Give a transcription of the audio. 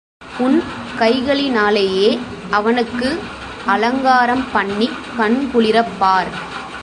உன் கைகளினாலேயே அவனுக்கு அலங்காரம் பண்ணிக் கண்குளிரப்பார்.